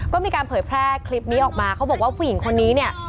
ก็มีการเผยแพร่คลิปนี้ออกมาเขาบอกว่าผู้หญิงคนนี้เนี่ย